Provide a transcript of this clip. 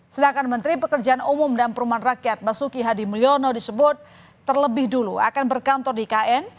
sedangkan menteri pekerjaan umum dan perumahan rakyat basuki hadi mulyono disebut terlebih dulu akan berkantor di ikn